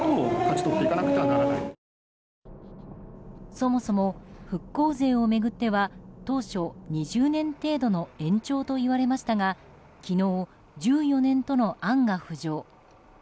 そもそも、復興税を巡っては当初２０年程度の延長といわれましたが昨日、１４年との案が浮上。